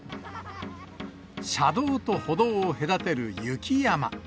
車道と歩道を隔てる雪山。